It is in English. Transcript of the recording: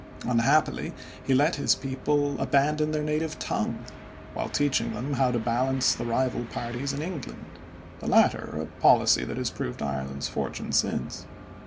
Unhappily, he let his people abandon their native tongue, while teaching them how to balance the rival parties in England, the latter a policy that has proved Ireland's fortune since.